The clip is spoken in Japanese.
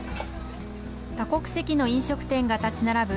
多国籍の飲食店が立ち並ぶ